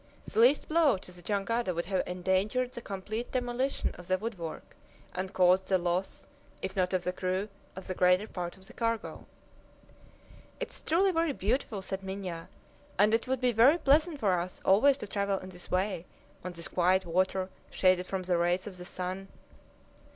The least blow to the jangada would have endangered the complete demolition of the woodwork, and caused the loss, if not of the crew, of the greater part of the cargo. "It is truly very beautiful," said Minha, "and it would be very pleasant for us always to travel in this way, on this quiet water, shaded from the rays of the sun."